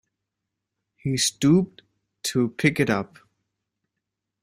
He stooped to pick it up.